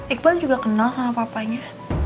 iqbal juga kenal sama papanya